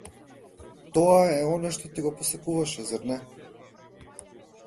Тоа е она што ти го посакуваше, зар не?